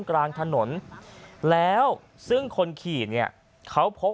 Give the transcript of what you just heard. ขึ้นมาแล้วก็ถูกยิงทางหลัก